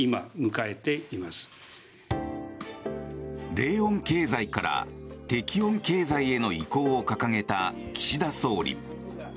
冷温経済から適温経済への移行を掲げた岸田総理。